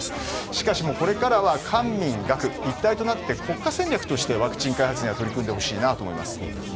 しかしこれからは官民学一体となって国家戦略としてワクチン開発に取り組んでほしいなと思います。